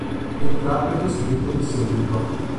Entrambe descritte di seguito.